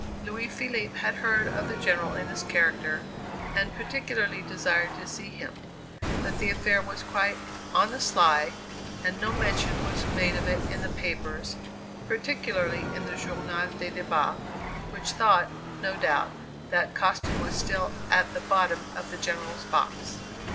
Louis Philippe had heard of the General in this character, and particularly desired to see him; but the affair was quite "on the sly," and no mention was made of it in the papers, particularly in the Journal des Debats, which thought, no doubt, that costume was still "at the bottom of the General's box."